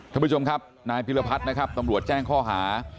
ท่านผู้ชมครับนายพิรพัฒน์นะครับตำรวจแจ้งข้อหา